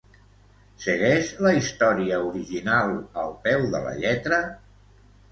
Segueix la història original al peu de la lletra?